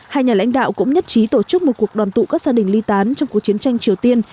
hai nhà lãnh đạo cũng nhất trí tổ chức một cuộc đoàn tụ các gia đình ly tán trong cuộc chiến tranh triều tiên